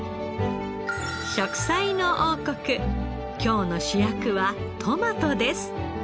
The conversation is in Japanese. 『食彩の王国』今日の主役はトマトです。